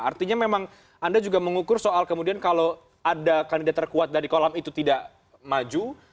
artinya memang anda juga mengukur soal kemudian kalau ada kandidat terkuat dari kolam itu tidak maju